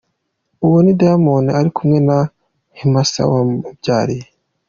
Uwo ni Diamond ari kumwe na Himasa wamubyariye.